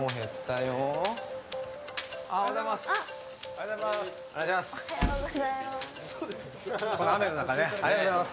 おはようございます。